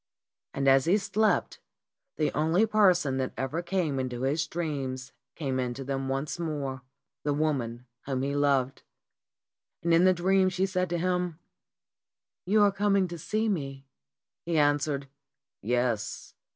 And as he slept the only person that ever came into, his dreams came into them once more the woman whom he loved. And in the dream she said to him, "You are coming to see me." He answered, "Yes.